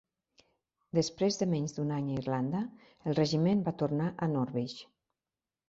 Després de menys d'un any a Irlanda, el regiment va tornar a Norwich.